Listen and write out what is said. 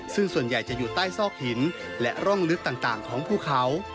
ซึ่งส่วนใหญ่จะอยู่ใต้ซอกหินและร่องลึกต่างของภูเขา